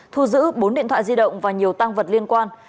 thu giữ bốn điện thoại di động và nhiều tăng vật liên quan